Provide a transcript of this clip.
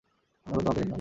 মনে হল তোমাকে দেখলাম।